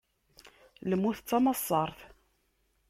Lmut d tamassaṛt.